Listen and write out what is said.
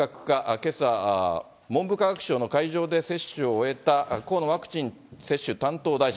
けさ、文部科学省の会場で接種を終えた河野ワクチン接種担当大臣。